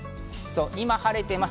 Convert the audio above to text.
今、晴れています。